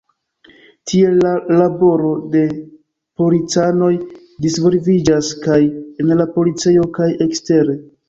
Tiel la laboro de policanoj disvolviĝas kaj en la policejo kaj ekstere.